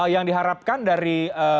yang diharapkan dari